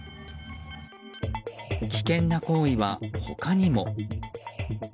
危険な行為は、他にも。